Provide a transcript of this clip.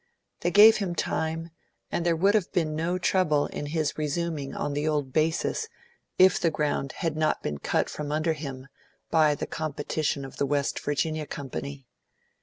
They gave him time, and there would have been no trouble in his resuming on the old basis, if the ground had not been cut from under him by the competition of the West Virginia company.